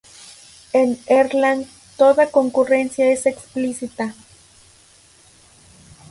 En Erlang toda concurrencia es explícita.